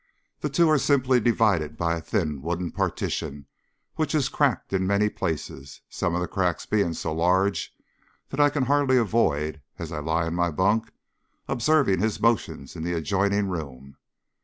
The two are simply divided by a thin wooden partition which is cracked in many places, some of the cracks being so large that I can hardly avoid, as I lie in my bunk, observing his motions in the adjoining room.